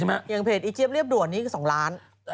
จากกระแสของละครกรุเปสันนิวาสนะฮะ